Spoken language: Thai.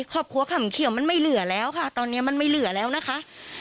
ขำเขียวมันไม่เหลือแล้วค่ะตอนนี้มันไม่เหลือแล้วนะคะ